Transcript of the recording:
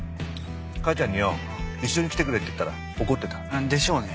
母ちゃんによ一緒に来てくれって言ったら怒ってた。でしょうね。